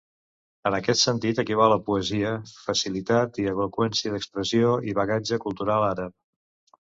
En aquest sentit equival a poesia, facilitat i eloqüència d'expressió i bagatge cultural àrab.